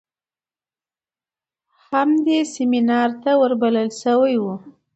هم دې سمينار ته ور بلل شوى و.